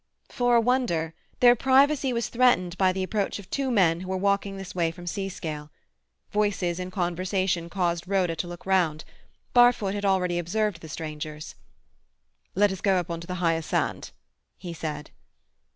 For a wonder, their privacy was threatened by the approach of two men who were walking this way from Seascale. Voices in conversation caused Rhoda to look round; Barfoot had already observed the strangers. "Let us go up on to the higher sand," he said.